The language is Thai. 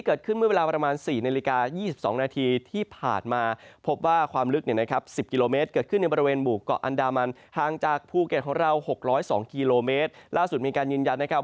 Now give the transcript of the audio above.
๒กิโลเมตรล่าสุดมีการยืนยันนะครับ